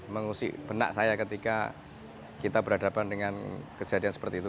mengusik benak saya ketika kita berhadapan dengan kejadian seperti itu